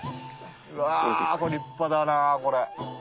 うわ立派だなこれ。